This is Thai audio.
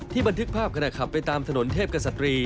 บันทึกภาพขณะขับไปตามถนนเทพกษัตรี